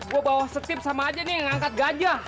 gua bawa steve sama aja nih ngangkat gajah